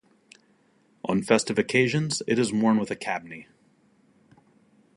On festive occasions, it is worn with a kabney.